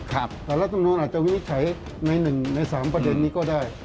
แต่ละตำนวนอาจจะวินิจฉัยใน๑ใน๓ประเทศนี้ก็ได้